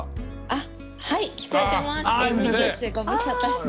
あっはい聞こえてます。